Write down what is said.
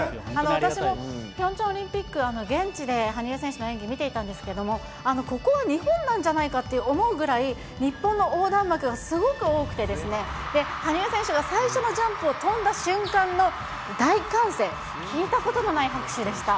私もピョンチャンオリンピック、現地で羽生選手の演技見ていたんですけど、ここは日本なんじゃないかと思うぐらい、日本の横断幕がすごく多くて、羽生選手が最初のジャンプを跳んだ瞬間の大歓声、聞いたことがない拍手でした。